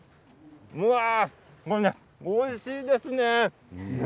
おいしいですね。